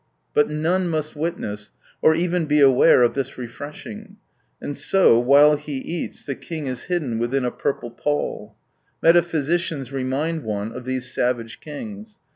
But c 33 none must witness, or even be aware of this refreshing, and so while he eats the king is hidden within a purple pall. Meta physicians remind one of these savage kings.